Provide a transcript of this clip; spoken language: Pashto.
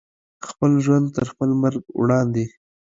خپل ژوند تر خپل مرګ وړاندې